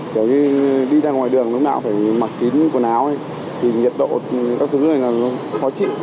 kiểu đi ra ngoài đường lúc nào phải mặc kín quần áo thì nhiệt độ các thứ này nó khó chịu